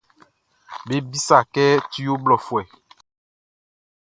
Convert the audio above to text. Be bisât kɛ tu ɔ ho blɔfuɛ.